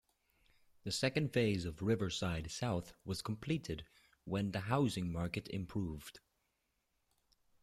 The second phase of Riverside South was completed when the housing market improved.